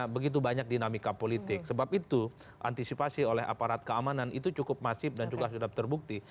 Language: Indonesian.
begitu banyak dinamika politik sebab itu antisipasi oleh aparat keamanan itu cukup masif dan juga sudah terbukti